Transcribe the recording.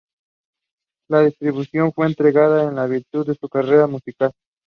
La distinción le fue entregada en virtud de su carrera musical.